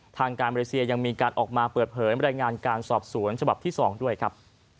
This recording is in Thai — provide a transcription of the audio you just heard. ทางการมาเลเซียยังมีการออกมาเปิดเผยบรรยายงานการสอบสวนฉบับที่๒ด้วยครับ